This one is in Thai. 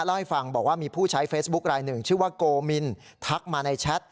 เล่าให้ฟังบอกว่ามีผู้ใช้เฟซบุ๊คลายหนึ่งชื่อว่าโกมินทักมาในแชท